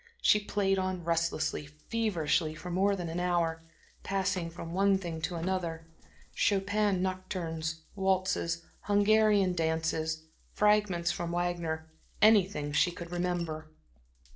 She played on restlessly, feverishly, for more than an hour, passing from one thing to another; Chopin nocturnes, waltzes, Hungarian dances, fragments from Wagner; anything she could remember.